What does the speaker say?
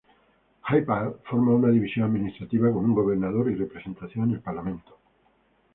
Ha‘apai forma una división administrativa, con un gobernador y representación en el Parlamento.